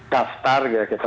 daftar ya gitu